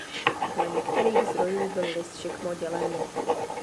Dle některých zdrojů byl list šikmo dělený.